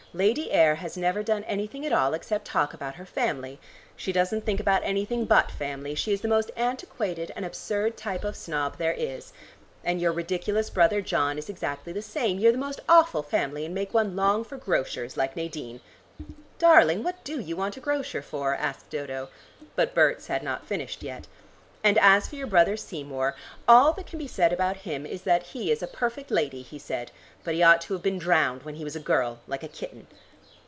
Lady Ayr has never done anything at all except talk about her family. She doesn't think about anything but family: she's the most antiquated and absurd type of snob there is. And your ridiculous brother John is exactly the same. You're the most awful family, and make one long for grocers, like Nadine." "Darling, what do you want a grocer for?" asked Dodo. But Berts had not finished yet. "And as for your brother Seymour, all that can be said about him is that he is a perfect lady," he said, "but he ought to have been drowned when he was a girl, like a kitten."